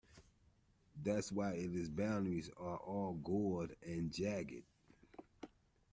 That's why its boundaries are all gouged and jagged.